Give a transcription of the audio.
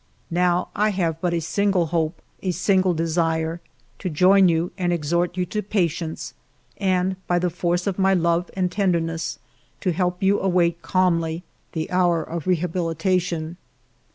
Now I have but a single hope, a single desire, to join you and exhort you to patience, 142 FIVE YEARS OF MY LIFE and, by the force of my love and tenderness, to help you await calmly the hour of rehabilita tion.